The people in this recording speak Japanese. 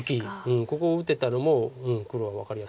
ここを打てたのも黒は分かりやすくなった。